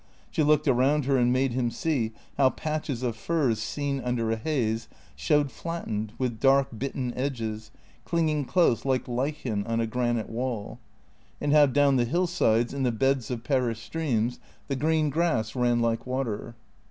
She looked around her and made him see how patches of furze seen under a haze showed flattened, with dark bitten edges, clinging close like lichen on a granite wall; and how, down the hillsides, in the beds of perished streams, the green grass ran like water.